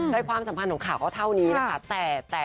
ความสัมพันธ์ของข่าวก็เท่านี้นะคะ